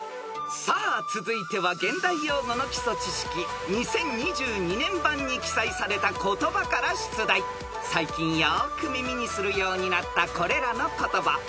［さあ続いては『現代用語の基礎知識』２０２２年版に記載された言葉から出題］［最近よく耳にするようになったこれらの言葉］